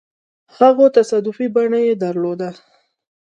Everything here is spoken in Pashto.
هغو تصادفي بڼه يې درلوده.